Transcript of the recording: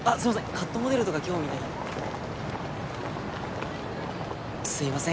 カットモデルとか興味ないすいません